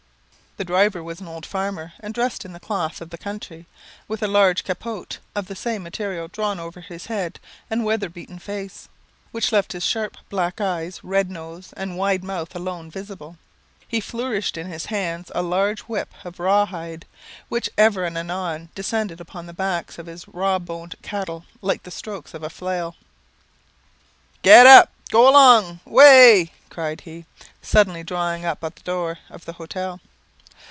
The driver was an old farmer, and dressed in the cloth of the country, with a large capote of the same material drawn over his head and weather beaten face, which left his sharp black eyes, red nose, and wide mouth alone visible. He flourished in his hand a large whip of raw hide, which ever and anon descended upon the backs of his rawboned cattle like the strokes of a flail. "Get up go along waye," cried he, suddenly drawing up at the door of the hotel.